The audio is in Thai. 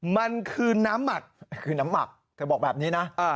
มันคือน้ำหมักแต่บอกแบบนี้นะ